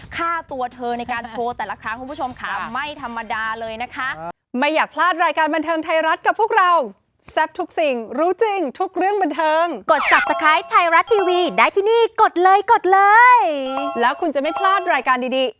ฆ่าตัวเธอในการโชว์แต่ละครั้งคุณผู้ชมค่ะไม่ธรรมดาเลยนะคะ